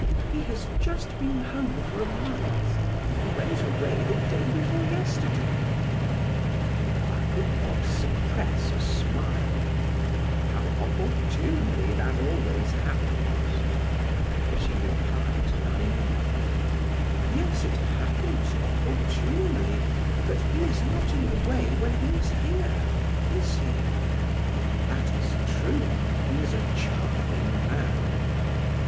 He has just been home for a month; he went away the day before yesterday." Du Roy could not suppress a smile: "How opportunely that always happens!" She replied naively: "Yes, it happens opportunely, but he is not in the way when he is here; is he?" "That is true; he is a charming man!"